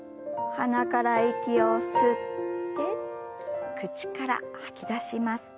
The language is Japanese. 鼻から息を吸って口から吐き出します。